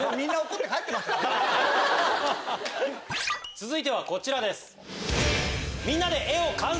続いてはこちらです。